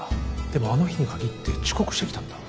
でもあの日にかぎって遅刻してきたんだ